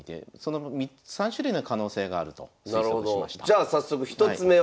じゃあ早速１つ目は？